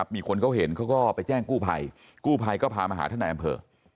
มีคนเขาเห็นเขาก็ไปแจ้งกู้ภัยกู้ภัยก็พามาหาท่านนายอำเภอ